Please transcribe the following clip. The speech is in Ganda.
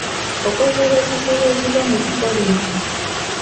Okuzuula ekizibu ebiva mu kukola ekyo.